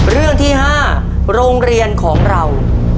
เรื่องที่๕โรงเรียนของเรา